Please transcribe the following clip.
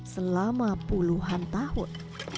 selama puluhan tahun